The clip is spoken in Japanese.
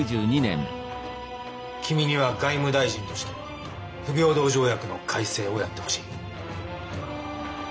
君には外務大臣として不平等条約の改正をやってほしい。